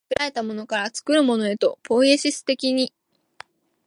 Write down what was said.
作られたものから作るものへと、ポイエシス的に、